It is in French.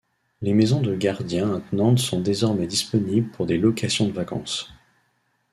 Les maisons de gardien attenantes sont désormais disponibles pour des locations de vacances.